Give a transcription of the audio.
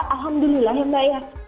alhamdulillah ya mbak ya